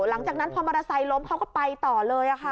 หลังจากนั้นพอมอเตอร์ไซค์ล้มเขาก็ไปต่อเลยค่ะ